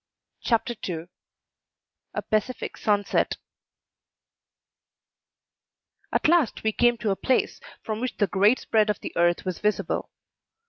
CHAPTER II A PACIFIC SUNSET At last we came to a place from which the great spread of the earth was visible.